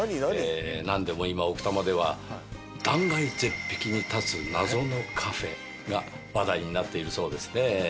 なんでも今奥多摩では断崖絶壁に立つ謎のカフェが話題になっているそうですね。